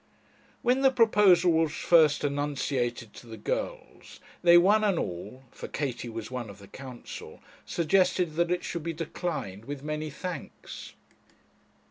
When the proposal was first enunciated to the girls, they one and all, for Katie was one of the council, suggested that it should be declined with many thanks.